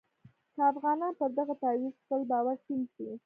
که افغانان پر دغه تعویض خپل باور ټینګ کړي.